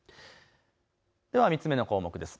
では３つ目の項目です。